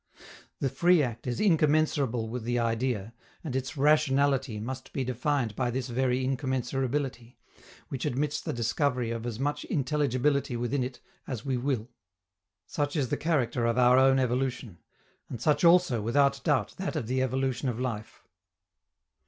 The free act is incommensurable with the idea, and its "rationality" must be defined by this very incommensurability, which admits the discovery of as much intelligibility within it as we will. Such is the character of our own evolution; and such also, without doubt, that of the evolution of life.